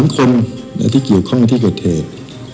๓คนที่เกี่ยวข้องกับเทศ